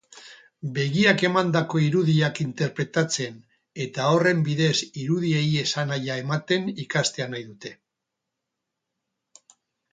Begiak emandako irudiak interpretatzen eta horren bidez irudiei esanahia ematen ikastea nahi dute.